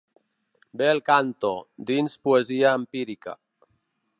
«Bel canto» dins Poesia empírica.